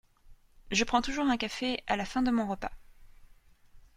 Je prends toujours un café à la fin de mon repas.